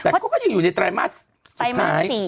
แต่เขาก็ยังอยู่ในไตรมาสสุดท้าย